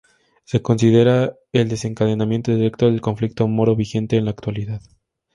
Se considera el desencadenante directo del conflicto moro vigente en la actualidad.